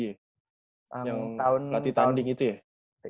yang mati tanding itu ya